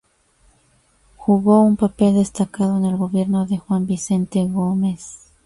Jugó un papel destacado en el gobierno de Juan Vicente Gómez.